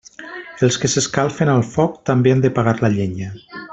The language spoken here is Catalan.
Els que s'escalfen al foc també han de pagar la llenya.